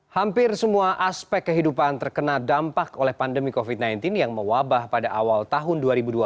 hampir semua aspek kehidupan terkena dampak oleh pandemi covid sembilan belas yang mewabah pada awal tahun dua ribu dua puluh